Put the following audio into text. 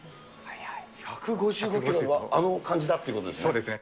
１５５キロはあの感じだということですね。